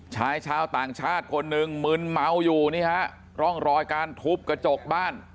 ชายชาวต่างชาติคนหนึ่งมึนเมาอยู่นี่ฮะร่องรอยการทุบกระจกบ้าน